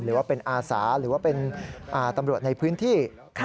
หรือว่าเป็นอาสาหรือว่าเป็นตำรวจในพื้นที่